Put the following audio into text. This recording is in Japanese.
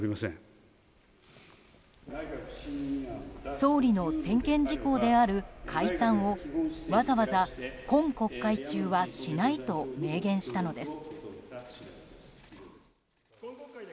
総理の専権事項である解散をわざわざ、今国会中はしないと明言したのです。